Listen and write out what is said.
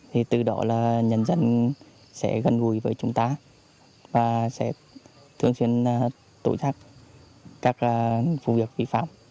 thì từ đó là nhân dân sẽ gần gũi với chúng ta và sẽ thường xuyên tối giác các vụ việc vi phạm